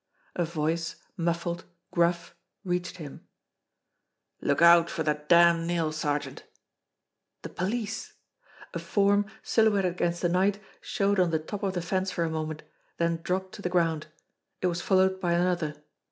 A voice, muffled, gruff, reached him : "Look out for that damned nail, sergeant!" The police ! A form, silhouetted against the night, showed on the top of the fence for a moment, then dropped to the ground. It was followed by another.